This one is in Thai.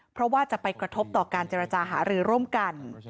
เพราะว่าจะไปกระทบต่อการเจรจาหารือร่วมกัน